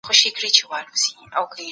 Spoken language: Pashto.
څېړنه څنګه کولای سي زړې ستونزي هوارې کړي؟